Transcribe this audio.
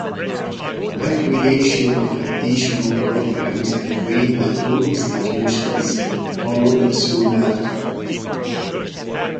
The creation of additional programs between the two institutions followed soon after.